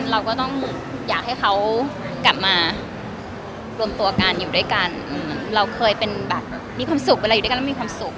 เราเคยมันอยู่ด้วยกันแล้วมันมีความสุข